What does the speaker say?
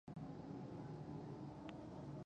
دواړه منظمې شوې. په لومړيو لسيزو کې